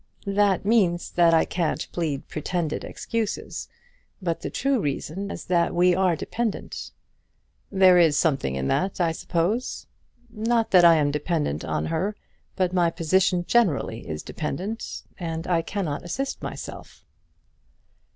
"That means that I can't plead pretended excuses. But the true reason is that we are dependent." "There is something in that, I suppose." "Not that I am dependent on her. But my position generally is dependent, and I cannot assist myself."